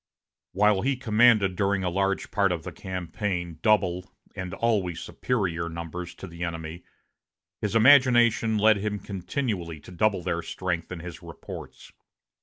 While he commanded during a large part of the campaign double, and always superior, numbers to the enemy, his imagination led him continually to double their strength in his reports.